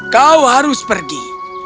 kau harus pergi